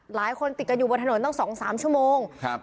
หลายคนติดกันอยู่บนถนนตั้ง๒๓ชั่วโมงครับ